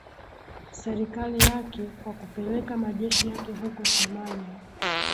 serikali yake kwa kupeleka majeshi yake huko somalia